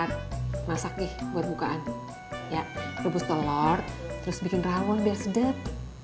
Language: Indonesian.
pat masak deh buat bukaan ya rebus telor terus bikin rawon biar sedap